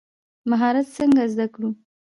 مهارت څنګه زده کړو؟